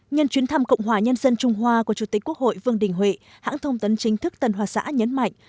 nhân chuyến thăm cộng hòa nhân dân trung hoa của chủ tịch quốc hội vương đình huệ hãng thông tấn chính thức tân hoa xã nhấn mạnh